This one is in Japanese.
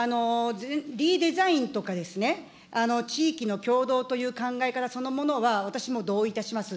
リデザインとか、地域の協働という考え方そのものは私も同意いたします。